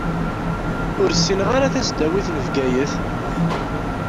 Ur ssineɣ ara tasdawit n Bgayet.